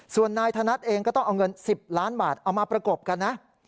ส่วนนายธนัดเองก็ต้องเอาเงิน๑๐ล้านบาทเอามาประกบกันนะ